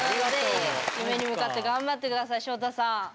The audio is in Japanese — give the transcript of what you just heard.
夢に向かって頑張って下さいしょうたさん。